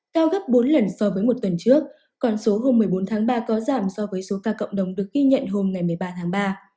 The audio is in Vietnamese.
cao gấp bốn lần so với một tuần trước còn số hôm một mươi bốn tháng ba có giảm so với số ca cộng đồng được ghi nhận hôm ngày một mươi ba tháng ba